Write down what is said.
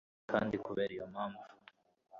kandi kubera iyo mpamvu